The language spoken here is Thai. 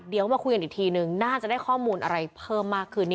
เดี๋ยวมาคุยกันอีกทีนึงน่าจะได้ข้อมูลอะไรเพิ่มมากขึ้น